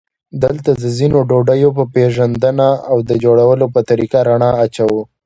دلته د ځینو ډوډیو په پېژندنه او د جوړولو په طریقه رڼا اچوو.